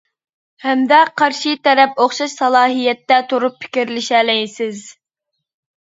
ھەمدە قارشى تەرەپ ئوخشاش سالاھىيەتتە تۇرۇپ پىكىرلىشەلەيسىز.